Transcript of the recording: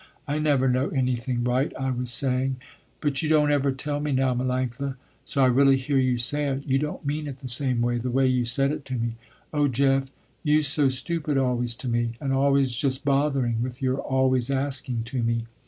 I never know anything right I was saying." "But you don't ever tell me now, Melanctha, so I really hear you say it, you don't mean it the same way, the way you said it to me." "Oh Jeff, you so stupid always to me and always just bothering with your always asking to me.